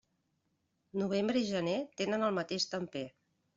Novembre i gener tenen el mateix temper.